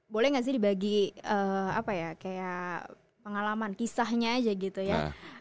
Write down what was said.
boleh nggak sih dibagi apa ya kayak pengalaman kisahnya aja gitu ya